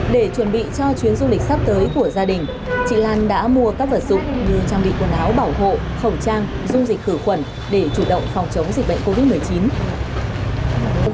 để chuẩn bị cho chuyến du lịch sắp tới của gia đình chị lan đã mua các vật dụng như trang bị quần áo bảo hộ khẩu trang dung dịch khử khuẩn để chủ động phòng chống dịch bệnh covid một mươi chín